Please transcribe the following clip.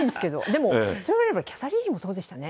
でもそういえばキャサリン妃もそうでしたね。